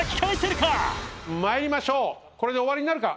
参りましょうこれで終わりになるか？